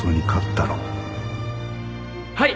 はい！